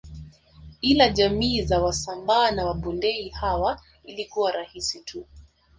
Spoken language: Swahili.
Ila jamii za wasambaa na wabondei hawa ilikuwa rahisi tu